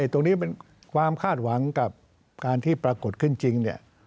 ตรงนี้เป็นความคาดหวังกับการที่ปรากฏขึ้นจริง